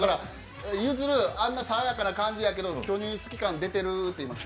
ゆずる、あんな爽やかな感じやけど巨乳好き感出てるって言いました。